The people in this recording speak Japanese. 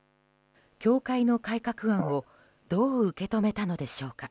教会の改革案をどう受け止めたのでしょうか。